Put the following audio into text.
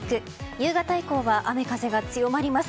夕方以降は雨風が強まります。